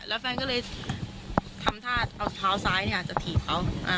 แล้วแฟนก็เลยทำท่าเอาเท้าซ้ายจะถีบเขา